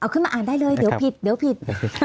เอาขึ้นมาอ่านได้เลยเดี๋ยวผิด